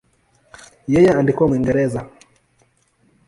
Yeye alikuwa Mwingereza.